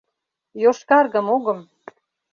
Йошкаргым огым.